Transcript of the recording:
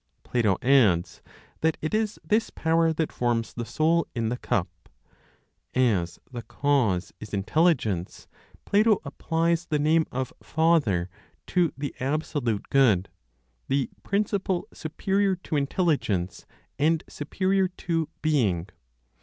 Plato adds that it is this power that forms the Soul in the cup. As the cause is intelligence, Plato applies the name of father to the absolute Good, the principle superior to Intelligence and superior to "Being."